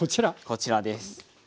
こちらです。